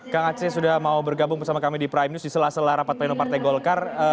kang aceh sudah mau bergabung bersama kami di prime news di sela sela rapat pleno partai golkar